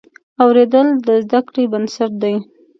اورېدل د زده کړې بنسټ دی.